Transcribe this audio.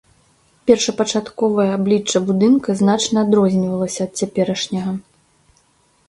Першапачаткова аблічча будынка значна адрознівалася ад цяперашняга.